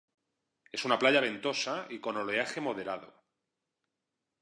Es una playa ventosa y con oleaje moderado.